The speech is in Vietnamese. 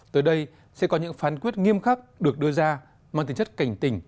tới đây sẽ có những phán quyết nghiêm khắc được đưa ra mang tính chất cảnh tình